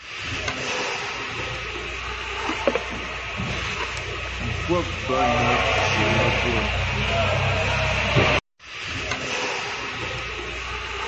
Mkwəp bə́ nə́ jyə̀ maə́bʉə́'ə.